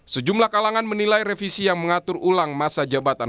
sejumlah kalangan menilai revisi yang mengatur ulang masa jabatan